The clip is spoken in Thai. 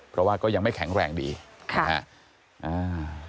เพราะว่าก็ยังไม่แข็งแรงดีนะฮะอ่าค่ะค่ะอ่า